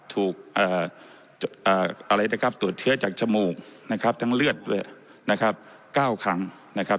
ถูกตรวจเชื้อจากชมูกนะครับทั้งเลือดนะครับ๙ครั้งนะครับ